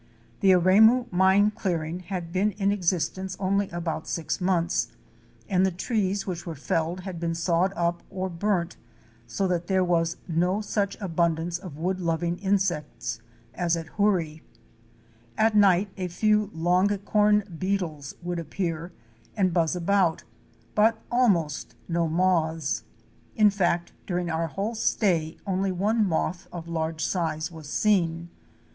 The Aremu Mine clearing had been in existence only about six months, and the trees which were felled had been sawed up or burnt so that there was no such abundance of wood loving insects as at Hoorie. At night a few Longicom beetles would appear and buzz about, but almost no moths. In fact during our whole stay only one moth of large size was seen.